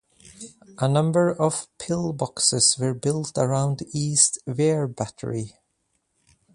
A number of pillboxes were built around East Weare Battery.